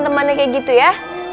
temannya kayak gitu ya